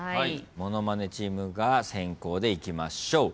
ものまねチームが先攻でいきましょう。